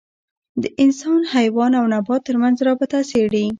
د انسان، حیوان او نبات تر منځ رابطه څېړي.